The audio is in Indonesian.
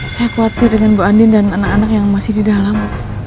saya khawatir dengan bu andin dan anak anak yang masih di dalam